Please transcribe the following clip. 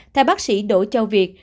theo bác sĩ đỗ châu việt